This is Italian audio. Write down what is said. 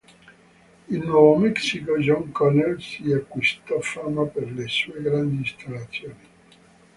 In Nuovo Messico John Connell si acquisto fama per le sue grandi installazioni.